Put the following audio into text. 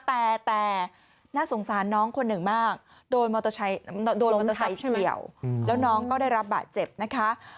แต่น่าสงสารน้องคนหนึ่งมากโดนมอเตอร์ไซค์เฉียวแล้วน้องก็ได้รับบาดเจ็บนะคะ